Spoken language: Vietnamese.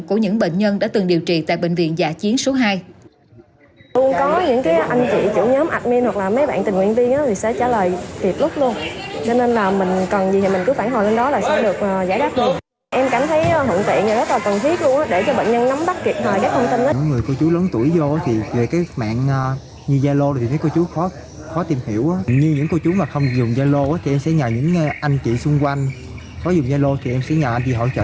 của những bệnh nhân đã từng điều trị tại bệnh viện giả chiến số hai